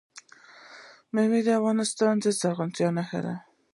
مېوې د افغانستان د زرغونتیا نښه ده.